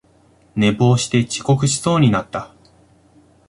寝坊して遅刻しそうになった